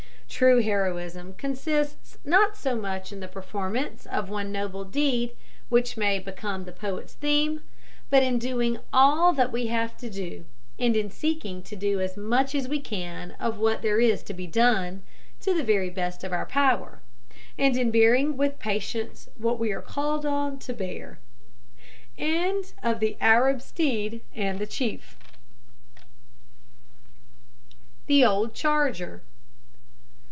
True heroism consists not so much in the performance of one noble deed, which may become the poet's theme, but in doing all that we have to do, and in seeking to do as much as we can of what there is to be done, to the very best of our power, and in bearing with patience what we are called on to bear. THE OLD CHARGER.